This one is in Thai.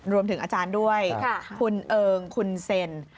รวมถึงอาจารย์ด้วยคุณเอิงคุณเซ็น